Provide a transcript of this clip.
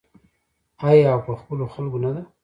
آیا او په خپلو خلکو نه ده؟